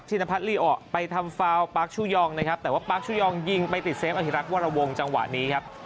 นพัฒลีออกไปทำฟาวปาร์คชูยองนะครับแต่ว่าปาร์คชูยองยิงไปติดเซฟอธิรักษ์วรวงจังหวะนี้ครับ